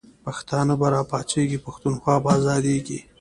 پښتانه به راپاڅیږی، پښتونخوا به آزادیږی